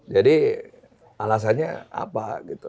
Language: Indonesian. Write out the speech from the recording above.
jadi alasannya apa gitu